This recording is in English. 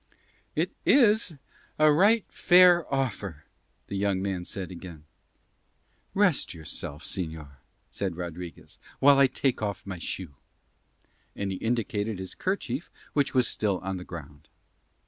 "It is a right fair offer," the young man said again. "Rest yourself, señor," said Rodriguez, "while I take off my shoe," and he indicated his kerchief which was still on the ground.